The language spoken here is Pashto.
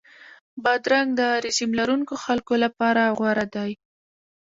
بادرنګ د رژیم لرونکو خلکو لپاره غوره دی.